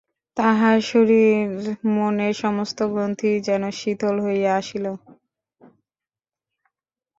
তাহার শরীর-মনের সমস্ত গ্রন্থি যেন শিথিল হইয়া আসিল।